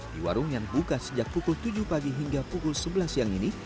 di warung yang buka sejak pukul tujuh pagi hingga pukul sebelas siang ini